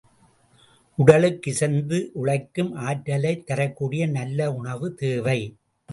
உடலுக்கு இசைந்த உழைக்கும் ஆற்றலைத் தரக்கூடிய நல்ல உணவு தேவை.